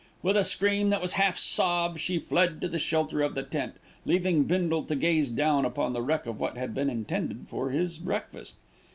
With a scream that was half a sob, she fled to the shelter of the tent, leaving Bindle to gaze down upon the wreck of what had been intended for his breakfast.